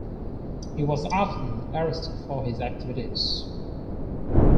He was often arrested for his activities.